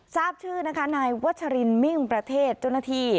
ทราบชื่อนะคะนายวัชรินมิ่งประเทศเจ้าหน้าที่